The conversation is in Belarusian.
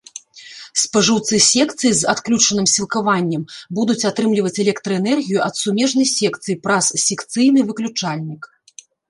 Спажыўцы секцыі з адключаным сілкаваннем будуць атрымліваць электраэнергію ад сумежнай секцыі праз секцыйны выключальнік.